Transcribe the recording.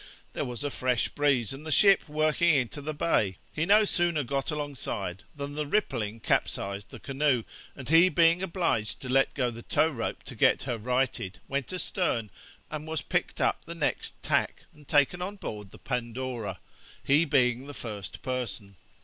There was a fresh breeze, and the ship working into the bay; he no sooner got alongside than the rippling capsized the canoe, and he being obliged to let go the tow rope to get her righted, went astern, and was picked up the next tack and taken on board the Pandora, he being the first person.